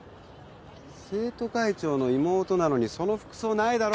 生徒会長の妹なのにその服装ないだろ？